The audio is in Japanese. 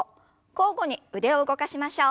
交互に腕を動かしましょう。